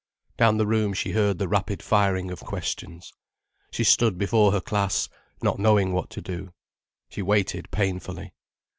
Down the room she heard the rapid firing of questions. She stood before her class not knowing what to do. She waited painfully.